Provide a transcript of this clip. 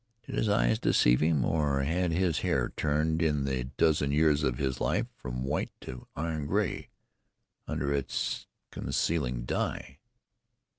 Did his eyes deceive him, or had his hair turned in the dozen years of his life from white to iron gray under its concealing dye?